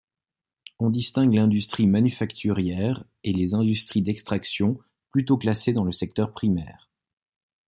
On distingue l’industrie manufacturière et les industries d'extraction plutôt classées dans le secteur primaire.